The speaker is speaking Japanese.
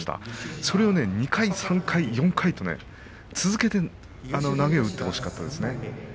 それを２回、３回、４回と続けて投げを打ってほしかったですね。